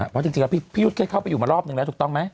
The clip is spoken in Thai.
เพราะจริงแล้วพี่ยุทธ์เคยเข้าไปอยู่มารอบนึงแล้วถูกต้องไหม